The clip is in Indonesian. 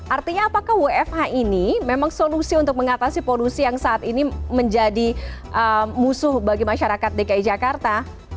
artinya apakah wfh ini memang solusi untuk mengatasi polusi yang saat ini menjadi musuh bagi masyarakat dki jakarta